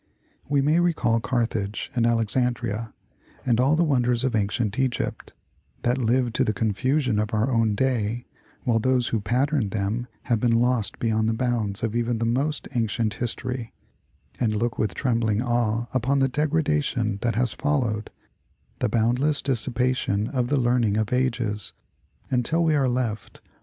We may recall Carthage and Alex andria, and all the wonders of ancient Egypt that live to the con fusion of our own day, while those who patterned them have been lost beyond the bounds of even the most ancient history : and look with trembling awe upon the degradation that has followed, the boundless dissipation of the learning of ages, until we are left 128 National Geographic Magazine.